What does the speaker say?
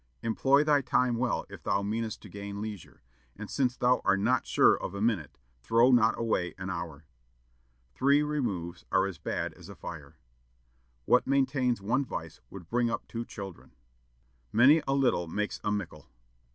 "Employ thy time well if thou meanest to gain leisure; and since thou art not sure of a minute, throw not away an hour." "Three removes are as bad as a fire." "What maintains one vice would bring up two children." "Many a little makes a mickle."